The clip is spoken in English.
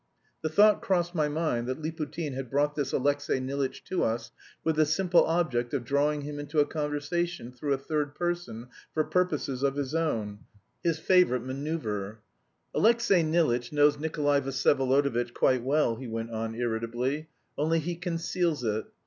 The thought crossed my mind that Liputin had brought this Alexey Nilitch to us with the simple object of drawing him into a conversation through a third person for purposes of his own his favourite manoeuvre. "Alexey Nilitch knows Nikolay Vsyevolodovitch quite well," he went on, irritably, "only he conceals it.